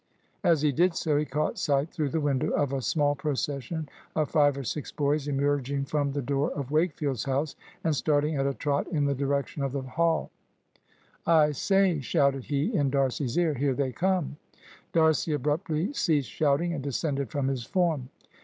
As he did so, he caught sight through the window of a small procession of five or six boys emerging from the door of Wakefield's house and starting at a trot in the direction of Hall. "I say," shouted he in D'Arcy's ear, "here they come!" D'Arcy abruptly ceased shouting and descended from his form.